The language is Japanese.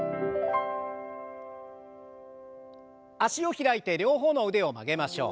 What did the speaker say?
脚を開いて両方の腕を曲げましょう。